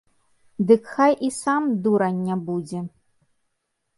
Ды хай і сам дурань не будзе.